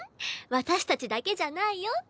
私たちだけじゃないよ。